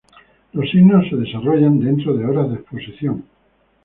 Los signos se desarrollan dentro de horas de exposición.